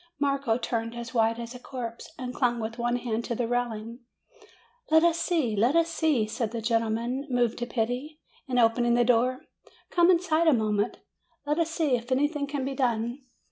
Marco turned as white as a corpse, and clung with one hand to the railings. "Let us see, let us see," said the gentleman, moved to pity, and opening the door; "come inside a mo ment; let us see if anything can be done."